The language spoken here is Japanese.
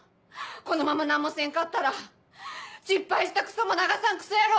このまま何もせんかったら失敗したクソも流さんクソ野郎